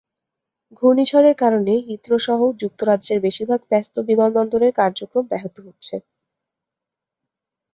ঘূর্ণিঝড়ের কারণে হিথ্রোসহ যুক্তরাজ্যের বেশির ভাগ ব্যস্ত বিমানবন্দরের কার্যক্রম ব্যাহত হচ্ছে।